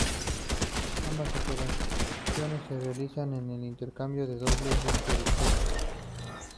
Ambas operaciones se realizan en el intercambio de doblones dentro del juego.